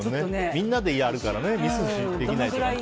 みんなでやるからミスできないし。